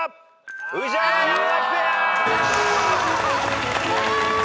宇治原・山崎ペア。